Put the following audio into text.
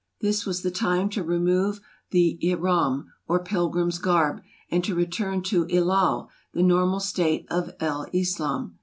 This was the time to remove the tfiram, or pilgrim's garb, and to return to ihlal, the normal state of El Islam.